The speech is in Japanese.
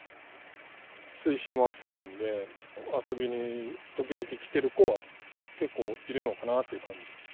水深も浅いんで、遊びに、時々来てる子は結構いるのかなという感じ。